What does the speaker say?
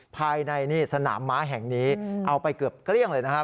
ภายในนี่สนามม้าแห่งนี้เอาไปเกือบเกลี้ยงเลยนะครับ